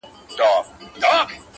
څرنګه چي شعر مخاطب لري -